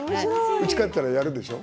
うちに帰ったらやるでしょ。